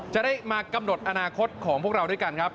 จะได้มากำหนดอนาคตของพวกเราด้วยกันครับ